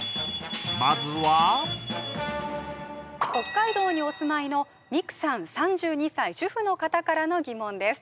まずは北海道にお住まいのミクさん３２歳主婦の方からの疑問です